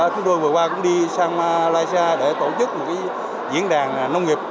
thứ đôi vừa qua cũng đi sang malaysia để tổ chức một diễn đàn nông nghiệp